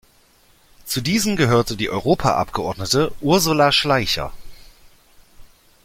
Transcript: Zu diesen gehört die Europaabgeordnete Ursula Schleicher.